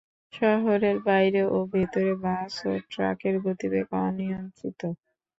শহরের বাইরে ও ভেতরে বাস ও ট্রাকের গতিবেগ অনিয়ন্ত্রিত।